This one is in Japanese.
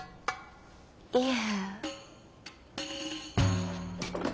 いえ。